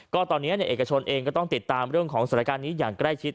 ก็ตอนนี้เอกชนเองก็ต้องติดตามเรื่องของสถานการณ์นี้อย่างใกล้ชิด